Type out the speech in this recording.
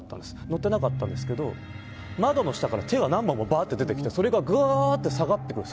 乗ってなかったんですけど窓の下から手が何本もばっとでてきてそれがぐわーって下がってくる。